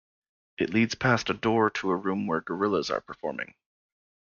It leads past a door to a room where Gorillaz are performing.